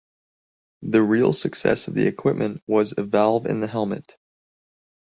The real success of the equipment was a valve in the helmet.